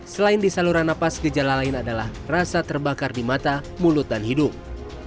selain di saluran nafas gejala lain adalah rasa terbakar di mata mulut dan hidung